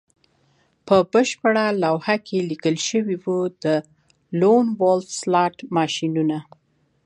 په بشپړه لوحه لیکل شوي وو د لون وولف سلاټ ماشینونه